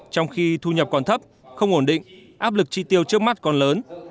trong khi thu nhập còn thấp không ổn định áp lực tri tiêu trước mắt còn lớn